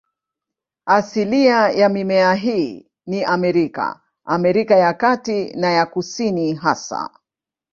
Asilia ya mimea hii ni Amerika, Amerika ya Kati na ya Kusini hasa.